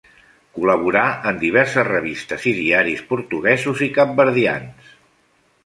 Col·laborà en diverses revistes i diaris portuguesos i capverdians.